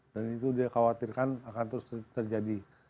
dan itu dia khawatirkan akan terus terjadi